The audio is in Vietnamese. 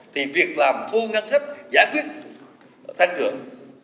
thì việc làm thu ngăn chất giải quyết thanh tưởng